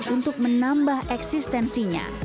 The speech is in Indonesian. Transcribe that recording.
untuk menambah eksistensinya